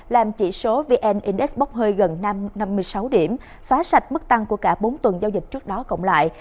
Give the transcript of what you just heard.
làm chỉ số vn index bốc hơi gần năm mươi sáu điểm xóa sạch mức tăng của cả bốn tuần giao dịch trước đó cộng lại